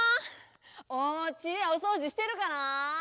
おうちでおそうじしてるかなあ？